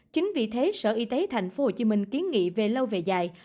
chính vì thế sở y tế thành phố hồ chí minh kiến nghị về lâu về dài